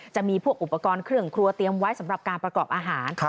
จะมีพวกอุปกรณ์เครื่องครัวเตรียมไว้สำหรับการประกอบอาหาร